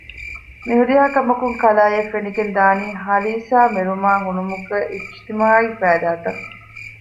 މިހުރިހާކަމަކުން ކަލާއަށް ފެނިގެންދާނީ ހަލީސާމެރުމާ ހުނުމުގެ އިޖުތިމާޢީ ފައިދާތައް